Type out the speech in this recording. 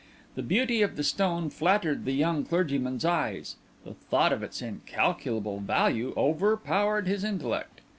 The beauty of the stone flattered the young clergyman's eyes; the thought of its incalculable value overpowered his intellect.